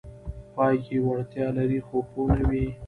پای کې وړتیا لري خو پوه نه وي: